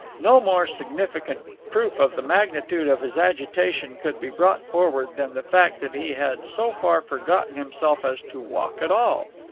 No more significant proof of the magnitude of his agitation could be brought forward than the fact that he had so far forgotten himself as to walk at all.